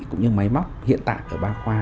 cũng như máy móc hiện tại ở ba khoa